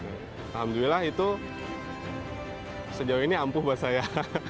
alhamdulillah itu sejauh ini ampuh buat saya